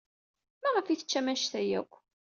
Maɣef ay teččam anect-a akk?